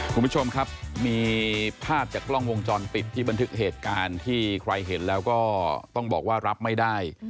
คุณผู้ชมครับมีภาพจากกล้องวงจรปิดที่บันทึกเหตุการณ์ที่ใครเห็นแล้วก็ต้องบอกว่ารับไม่ได้